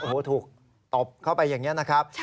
โอ้โหถูกตบเข้าไปอย่างนี้นะครับ